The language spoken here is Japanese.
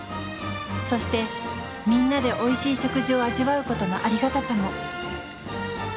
そしてみんなでおいしい食事を味わうことのありがたさも。